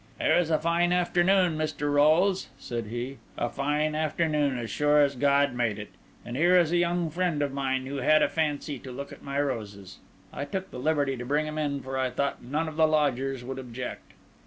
"Here is a fine afternoon, Mr. Rolles," said he: "a fine afternoon, as sure as God made it! And here is a young friend of mine who had a fancy to look at my roses. I took the liberty to bring him in, for I thought none of the lodgers would object."